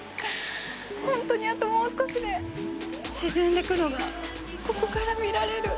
本当に、あともう少しで沈んでくるのが、ここから見られる。